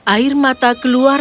air mata keluar